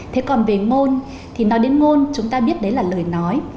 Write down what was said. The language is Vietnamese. thế còn về môn thì nói đến ngôn chúng ta biết đấy là lời nói